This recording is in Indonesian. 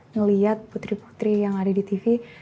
ngelihat putri putri yang ada di tv